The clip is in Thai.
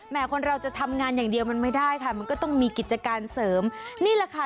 คนเราจะทำงานอย่างเดียวมันไม่ได้ค่ะมันก็ต้องมีกิจการเสริมนี่แหละค่ะ